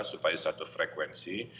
supaya satu frekuensi